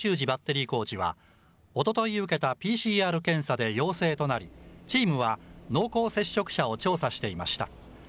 バッテリーコーチは、おととい受けたＰＣＲ検査で陽性となり、チームは濃厚接触者を調査していました。